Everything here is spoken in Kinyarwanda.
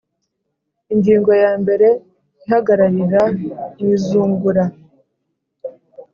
Ingingo ya mbere Ihagararira mu izungura